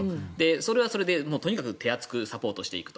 それはそれで手厚くサポートしていくと。